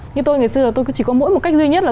như tôi ngày xưa là tôi chỉ có mỗi một cách duy nhất là